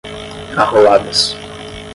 arroladas